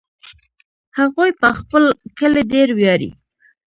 هغوی په خپل کلي ډېر ویاړي